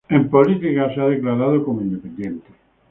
En política se ha declarado como independiente.